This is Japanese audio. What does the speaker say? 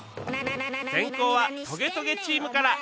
先攻はトゲトゲチームから